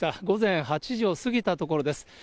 午前８時を過ぎたところです。